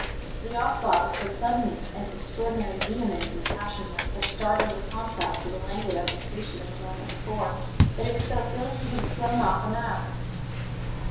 The onslaught was so sudden, and its extraordinary vehemence and passion were in such startling contrast to the languid affectation of a moment before, that it was as though he had thrown off a mask.